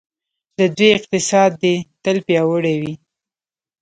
د دوی اقتصاد دې تل پیاوړی وي.